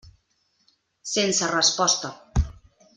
Sense resposta.